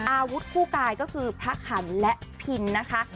อาวุธคู่กายก็คือพระขันและพินนะคะ